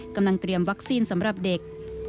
กำลังเตรียมวัคซีนสำหรับเด็ก